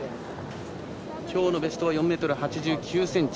今日のベストは４ｍ８９ｃｍ。